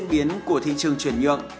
những diễn biến của thị trường chuyển nhược